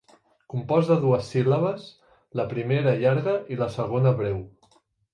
Compost de dues síl·labes, la primera llarga i la segona breu.